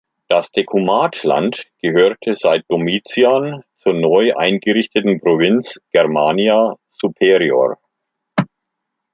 Das Dekumatland gehörte seit Domitian zur neu eingerichteten Provinz "Germania superior".